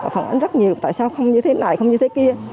phản ánh rất nhiều tại sao không như thế này không như thế kia